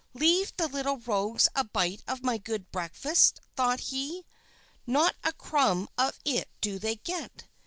"Leave the little rogues a bite of my good breakfast!" thought he, "not a crumb of it do they get!"